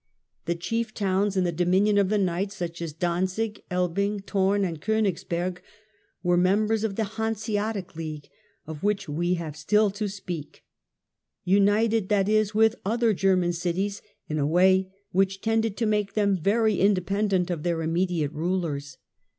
The chief towns in the dominions of the Kiiights, such as Danzig, Elbing, Thorn and Konigsberg, were members of the Hanseatic League of which we have still to speak : united that is with other German cities in a way which tended to make them very independent of their immediate rulers.